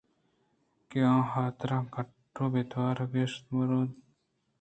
کہ آ ترا کٹّ ءَ بِہ بارت شُگر یک مُور مُرگے ءَ جونوئیں حُدا ءِ کرّا ہمے واہگ درشانت